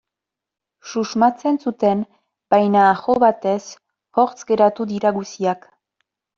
Susmatzen zuten, baina aho bete hortz geratu dira guztiak.